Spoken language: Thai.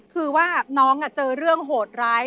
คือว่าน้องเจอเรื่องโหดร้าย